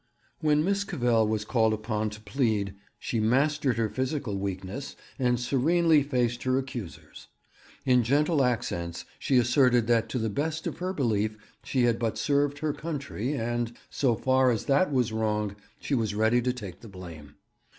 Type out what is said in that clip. When Miss Cavell was called upon to plead, she mastered her physical weakness, and serenely faced her accusers. In gentle accents she asserted that to the best of her belief she had but served her country, and, so far as that was wrong, she was ready to take the blame.